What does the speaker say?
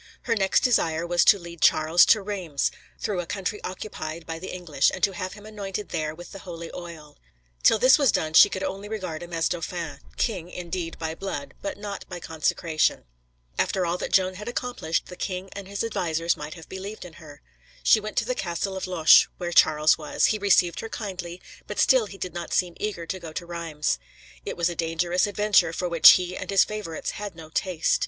Her next desire was to lead Charles to Reims, through a country occupied by the English, and to have him anointed there with the holy oil. Till this was done she could only regard him as Dauphin king, indeed, by blood, but not by consecration. [Illustration: FIGHT ON CRIED THE MAID THE PLACE IS OURS From the painting by William Rainey] After all that Joan had accomplished, the king and his advisers might have believed in her. She went to the castle of Loches, where Charles was; he received her kindly, but still he did not seem eager to go to Reims. It was a dangerous adventure, for which he and his favorites had no taste.